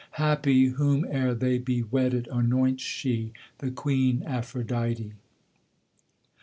Happy whom ere they be wedded anoints she, the Queen Aphrodite!